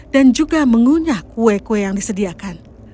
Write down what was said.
dan juga mengunyah kue kue yang disediakan